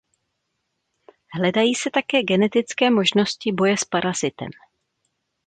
Hledají se také genetické možnosti boje s parazitem.